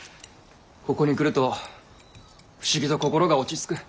ここに来ると不思議と心が落ち着く。